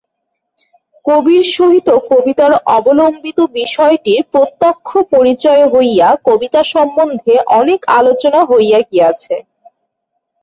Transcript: কবির সহিত কবিতার অবলম্বিত বিষয়টির প্রত্যক্ষ পরিচয় হইয়া কবিতা সম্বন্ধে অনেক আলোচনা হইয়া গেছে।